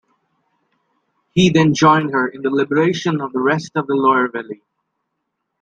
He then joined her in the liberation of the rest of the Loire Valley.